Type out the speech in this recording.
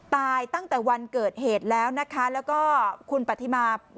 ตั้งแต่วันเกิดเหตุแล้วนะคะแล้วก็คุณปฏิมา